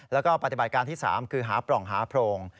แล้วก็ปฏิบัติการที่๓คือหาปล่องหาโพรง